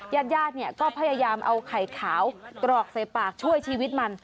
ยาดก็พยายามเอาไข่ขาวกรอกใส่ปากช่วยชีวิตมัน